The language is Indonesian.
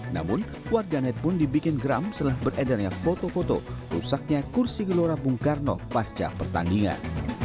namun warganet pun dibikin geram setelah beredarnya foto foto rusaknya kursi gelora bung karno pasca pertandingan